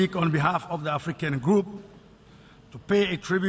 ขอบคุณครับ